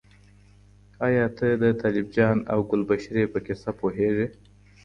ایا ته د طالب جان او ګلبشرې په کیسه پوهیږې؟